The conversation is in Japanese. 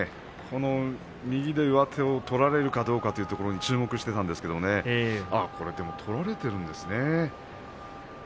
右で上手を取られるかどうかというところに注目をしていたんですがね取られているんですね。